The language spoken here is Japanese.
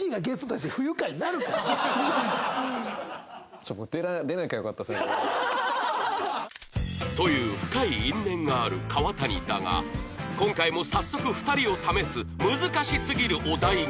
ちょっともうという深い因縁がある川谷だが今回も早速２人を試す難しすぎるお題が